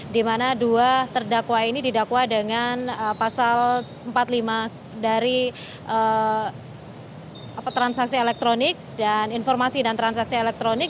di mana dua terdakwa ini didakwa dengan pasal empat puluh lima dari transaksi elektronik dan informasi dan transaksi elektronik